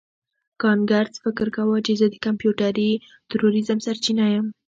کانګرس فکر کاوه چې زه د کمپیوټري تروریزم سرچینه یم